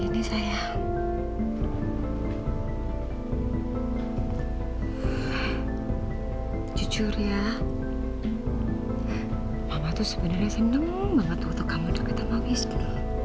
dia bukan darah dagingku